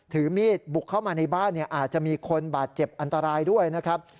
ถือมีดบุกเข้ามาในบ้านอาจจะมีคนบาดเจ็บอันตรายด้วยนะครับ